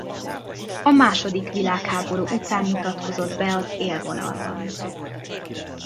A második világháború után mutatkozott be az élvonalban.